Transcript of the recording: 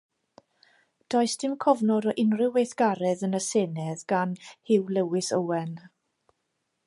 Does dim cofnod o unrhyw weithgaredd yn y Senedd gan Hugh Lewis Owen.